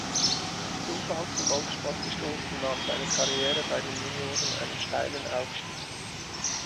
Durch Zufall zum Golfsport gestossen, nahm seine Karriere bei den Junioren einen steilen Aufstieg.